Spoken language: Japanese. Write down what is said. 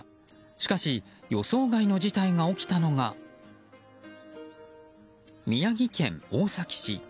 しかし予想外の事態が起きたのが宮城県大崎市。